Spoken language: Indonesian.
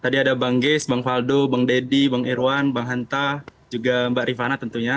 tadi ada bang geis bang faldo bang deddy bang irwan bang hanta juga mbak rifana tentunya